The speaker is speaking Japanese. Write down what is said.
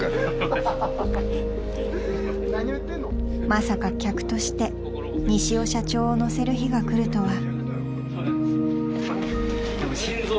［まさか客として西尾社長を乗せる日が来るとは］